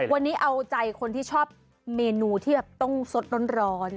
วันนี้เอาใจคนที่ชอบเมนูที่แบบต้องสดร้อน